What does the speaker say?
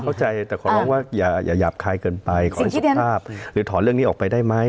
เข้าใจแต่ขอร้องว่าอย่าหยาบคายเกินไปขอสิทธิภาพหรือถอนเรื่องนี้ออกไปได้ไหม